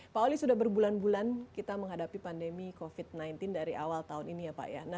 pak oli sudah berbulan bulan kita menghadapi pandemi covid sembilan belas dari awal tahun ini ya pak ya